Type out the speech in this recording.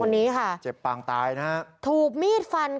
เพราะถูกทำร้ายเหมือนการบาดเจ็บเนื้อตัวมีแผลถลอก